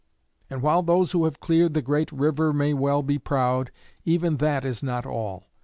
And while those who have cleared the great river may well be proud, even that is not all.